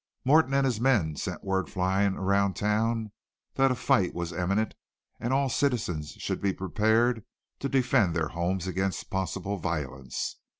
Morton and his men sent word flying around town that a fight was imminent and all citizens should be prepared to defend their homes against possible violence.